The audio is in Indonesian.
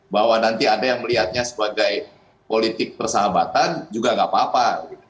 bahwa nanti ada yang melihatnya sebagai politik persahabatan juga nggak apa apa